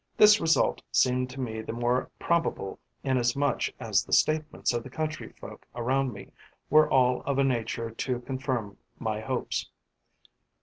This result seemed to me the more probable inasmuch as the statements of the country folk around me were all of a nature to confirm my hopes.